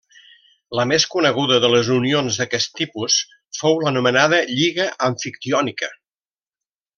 La més coneguda de les unions d'aquest tipus fou l'anomenada Lliga Amfictiònica.